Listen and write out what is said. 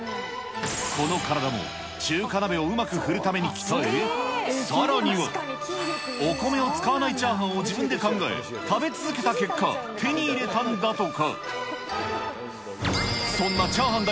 この体も、中華鍋をうまく振るために鍛え、さらには、お米を使わないチャーハンを自分で考え、食べ続けた結果、手に入知っていましたか？